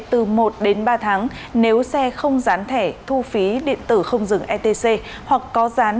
từ một đến ba tháng nếu xe không dán thẻ thu phí điện tử không dừng etc hoặc có dán